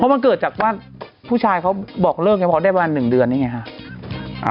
เพราะมันเกิดจากว่าผู้ชายเขาบอกเรื่องให้พอได้ประมาณ๑เดือนนี้ไงค่ะ